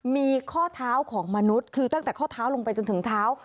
มีข้อเท้าของมนุษย์คือตั้งแต่ข้อเท้าลงไปจนถึงเท้า